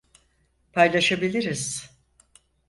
Paylaşabiliriz.